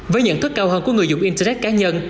với nhận thức cao hơn của người dùng internet cá nhân